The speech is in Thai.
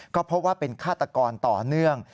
ก็พบว่าเป็นฆาตกรต่อเนื่อง